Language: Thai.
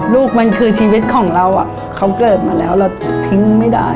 ลูกมันคือชีวิตของเราเขาเกิดมาแล้วเราทิ้งไม่ได้